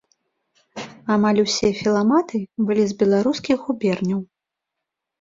Амаль усе філаматы былі з беларускіх губерняў.